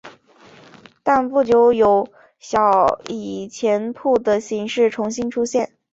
但不久有以小钱铺的形式重新出现。